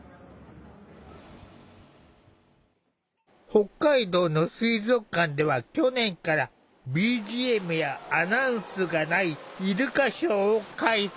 北海道の水族館では去年からＢＧＭやアナウンスがないイルカショーを開催。